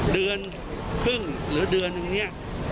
เดือนครึ่งหรือเดือนนึงเนี่ย